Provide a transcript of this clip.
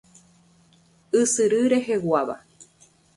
Ysyry reheguáva.